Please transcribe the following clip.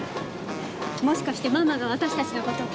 もしかしてママが私たちの事を？